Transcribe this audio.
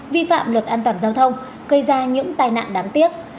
vi phạm luật an toàn giao thông gây ra những tai nạn đáng tiếc